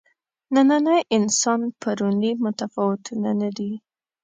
نننی انسان پروني متفاوته نه دي.